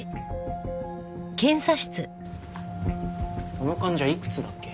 この患者いくつだっけ？